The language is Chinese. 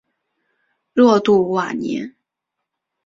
若杜瓦涅。